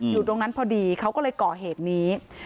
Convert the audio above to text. อยู่ตรงนั้นพอดีเขาก็เลยก่อเหตุนี้